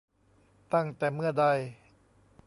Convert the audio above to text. ตั้งแต่เมื่อใด ?